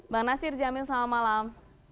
bang nasir jamil selamat malam